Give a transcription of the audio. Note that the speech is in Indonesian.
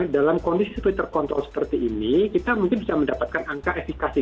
dalam kondisi seperti terkontrol seperti ini kita mungkin bisa mendapatkan angka efekasi